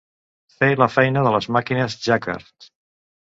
Fer la feina de les màquines jacquard.